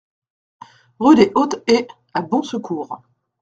Rue des Hautes Haies à Bonsecours